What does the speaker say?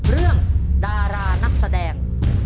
เรื่องดารานักแสดง